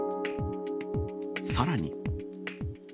さらに。